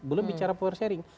belum bicara power sharing